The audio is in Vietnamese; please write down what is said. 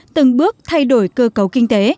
từng bước thay đổi cơ cấu kinh tế